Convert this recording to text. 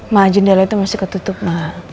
ma jendela itu masih ketutup ma